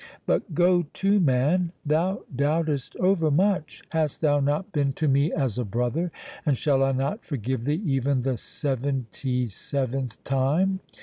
—But go to, man! thou doubtest over much. Hast thou not been to me as a brother, and shall I not forgive thee even the seventy seventh time?